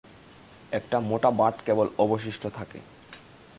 একটা মোটা বাঁট কেবল অবশিষ্ট থাকে।